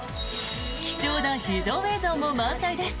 貴重な秘蔵映像も満載です！